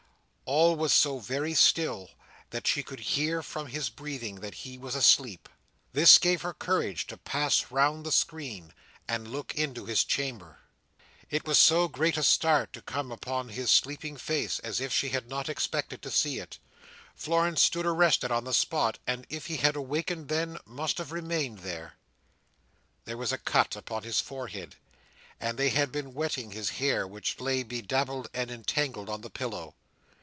All was so very still that she could hear from his breathing that he was asleep. This gave her courage to pass round the screen, and look into his chamber. It was as great a start to come upon his sleeping face as if she had not expected to see it. Florence stood arrested on the spot, and if he had awakened then, must have remained there. There was a cut upon his forehead, and they had been wetting his hair, which lay bedabbled and entangled on the pillow.